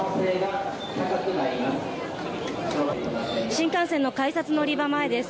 新幹線の改札乗り場前です。